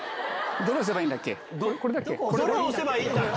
どれ押せばいいんだっけ？